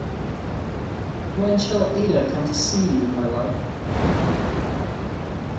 When shall Ada come to see you, my love?